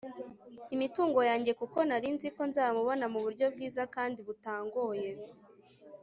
imitungo yanjye kuko narinzi ko nzamubona mu buryo bwiza kandi butangoye